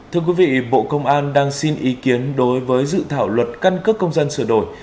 thưa quý vị bộ công an đang xin ý kiến đối với dự thảo luật căn cước công dân sửa đổi